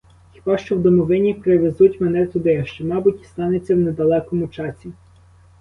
Хіба що в домовині привезуть мене туди, що, мабуть, і станеться в недалекому часі.